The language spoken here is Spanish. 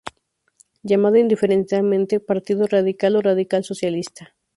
Llamado indiferentemente partido radical o radical-socialista.